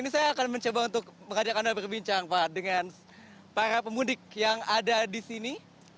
ini saya akan mencoba untuk mengajak anda berbincang pak dengan para pemudik yang ada di sini